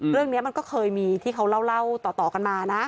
เรื่องนี้มันก็เคยมีที่เขาเล่าต่อกันมานะ